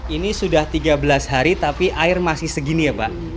ini sudah tiga belas hari tapi air masih segini ya pak